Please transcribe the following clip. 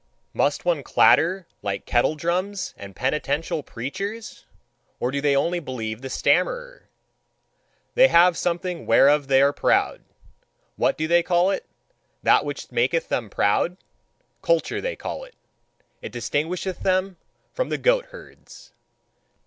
Must one clatter like kettledrums and penitential preachers? Or do they only believe the stammerer? They have something whereof they are proud. What do they call it, that which maketh them proud? Culture, they call it; it distinguisheth them from the goatherds.